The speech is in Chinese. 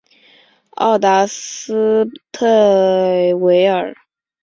奥达斯泰韦尔。